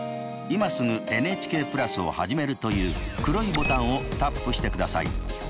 「今すぐＮＨＫプラスをはじめる」という黒いボタンをタップしてください。